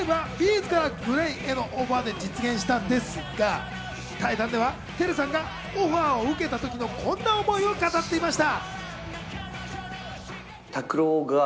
’ｚからＧＬＡＹへのオファーで実現したんですが、対談ではＴＥＲＵさんがオファーを受けた時のこんな思いを語っていました。